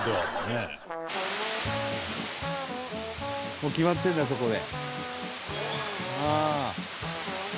「もう決まってるんだそこで」